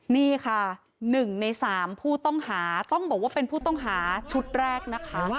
นี่ค่ะ๑ใน๓ผู้ต้องหาต้องบอกว่าเป็นผู้ต้องหาชุดแรกนะคะ